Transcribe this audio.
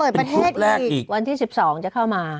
เปิดประเทศอีกวันที่๑๒จะเข้ามา